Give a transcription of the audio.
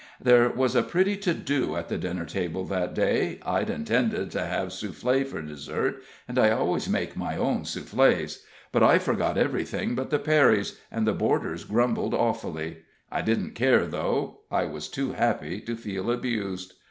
There was a pretty to do at the dinner table that day. I'd intended to have souffle for desert, and I always make my own souffles; but I forgot everything but the Perrys, and the boarders grumbled awfully. I didn't care, though; I was too happy to feel abused.